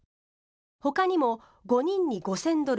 ほかにも５人に５０００ドル